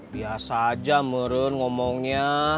biasa aja merun ngomongnya